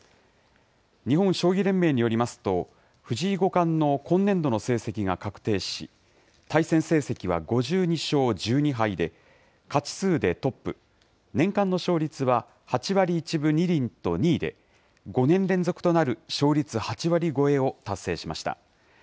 日本将棋連盟によりますと、藤井五冠の今年度の成績が確定し、対戦成績は５２勝１２敗で、勝ち数でトップ、年間の勝率は８割１分２厘と２位で、５年連続となる勝率８割超えを達成しました。